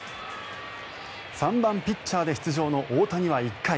３番ピッチャーで出場の大谷は１回。